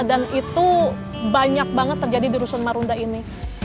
dan itu banyak banget terjadi di rusun marunda ini